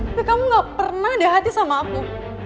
tapi kamu gak pernah ada hati sama aku